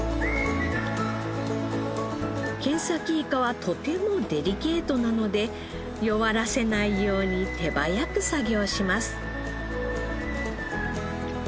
ケンサキイカはとてもデリケートなので弱らせないように手早く作業します。